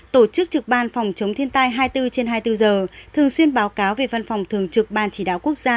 tổ chức trực ban phòng chống thiên tai hai mươi bốn trên hai mươi bốn giờ thường xuyên báo cáo về văn phòng thường trực ban chỉ đạo quốc gia